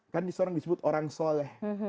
kan di sorong disebut orang soleh